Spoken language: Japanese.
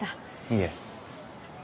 いえ。